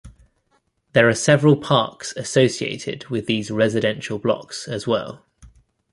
There are several parks associated with these residential blocks as well.